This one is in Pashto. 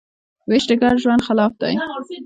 وېش د ګډ ژوند خلاف دی.